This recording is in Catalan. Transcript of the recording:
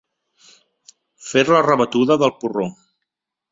Fer la rebatuda del porró.